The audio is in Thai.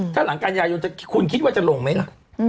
ถ้าหลังกันยายนคุณคิดว่าจะลงไหมล่ะ